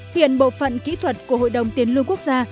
hiện bộ phận kỹ thuật của hội đồng tiền lương quốc gia